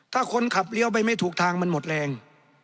ถ้าคนขับเลี้ยวไปไม่ถูกทางมันหมดแรง